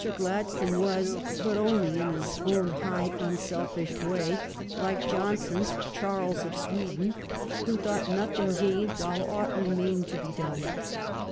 Gladstone was, but only in his own high, unselfish way, like Johnson's Charles of Sweden, who thought nothing gained while aught remained to be done.